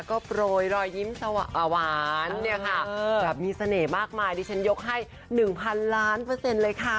ก็โปรยรอยยิ้มหวานเนี่ยค่ะแบบมีเสน่ห์มากมายดิฉันยกให้๑๐๐๐ล้านเปอร์เซ็นต์เลยค่ะ